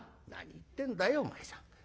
「何言ってんだよお前さん。